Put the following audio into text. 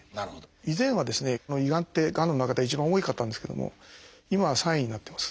以前はですねこの胃がんってがんの中では一番多かったんですけども今は３位になってます。